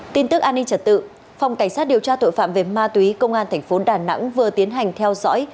tin tức an ninh trật tự phòng cảnh sát điều tra tội phạm về ma túy công an thành phố đà nẵng vừa tiến hành theo dõi